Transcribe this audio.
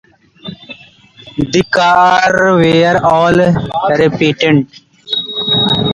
The cars were all repainted.